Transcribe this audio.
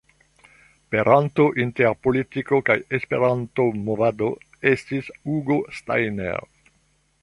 Peranto inter politiko kaj Esperanto-movado estis Hugo Steiner.